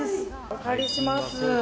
お借りします。